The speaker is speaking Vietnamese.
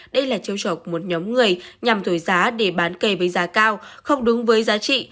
đây là trêu trọc một nhóm người nhằm thổi giá để bán cây với giá cao không đúng với giá trị